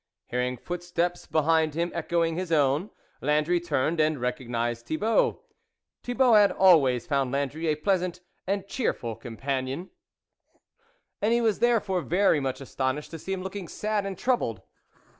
^ Hearing footsteps behind him echoing his own, Landry turned and recognised Thibault. Thibault had always found Landry a pleasant and cheerful com panion, and he was therefore very much astonished to see him looking sad and troubled.